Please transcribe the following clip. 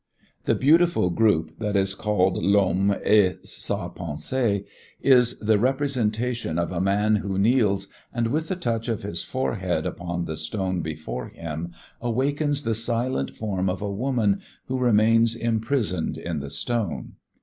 The beautiful group that is called "L'homme et sa pensée" is the representation of a man who kneels and with the touch of his forehead upon the stone before him awakens the silent form of a woman who remains imprisoned in the stone.